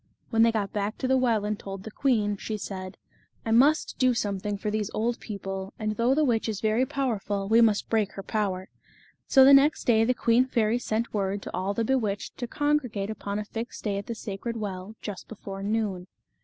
When they got back to the well and told the queen, she said : "I must do something for these old people, and The Fairy of the Dell. 33 though the witch is very powerful, we must break her power." So the next day the queen fairy sent word to all the bewitched to congregate upon a fixed day at the sacred well, just before noon.